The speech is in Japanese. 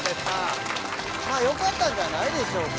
まあよかったんじゃないでしょうか。